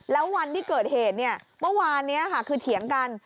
แล้ววันที่เกิดเหตุเมื่อวานคือเถียงกัน